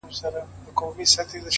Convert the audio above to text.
• له ستړیا یې اندامونه رېږدېدله ,